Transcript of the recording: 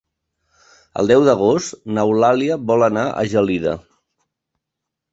El deu d'agost n'Eulàlia vol anar a Gelida.